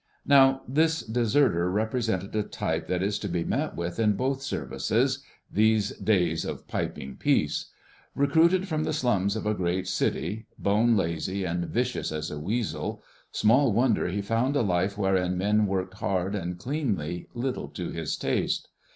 Now this deserter represented a type that is to be met with in both Services, these days of "piping peace." Recruited from the slums of a great city, bone lazy and vicious as a weasel, small wonder he found a life wherein men worked hard and cleanly little to his taste.